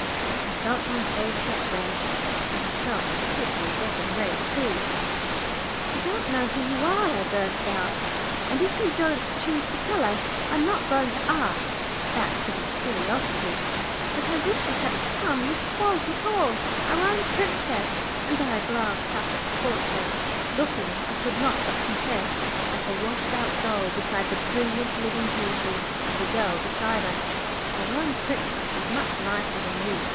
I felt my face get red, and I felt that Tib's was getting red too. "I don't know who you are," I burst out, "and if you don't choose to tell us, I am not going to ask. That isn't curiosity. But I wish you hadn't come; you've spoilt it all. Our own princess," and I glanced up at the portrait, looking, I could not but confess, like a washed out doll beside the brilliant living beauty of the girl beside us, "our own princess is much nicer than you.